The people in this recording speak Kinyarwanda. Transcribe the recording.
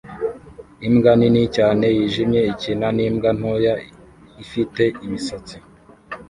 Imbwa nini cyane yijimye ikina nimbwa ntoya ifite imisatsi